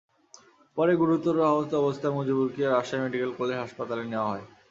পরে গুরুতর আহত অবস্থায় মজিবুরকে রাজশাহী মেডিকেল কলেজ হাসপাতালে নেওয়া হয়।